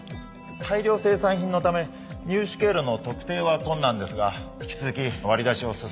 大量生産品のため入手経路の特定は困難ですが引き続き割り出しを進めます。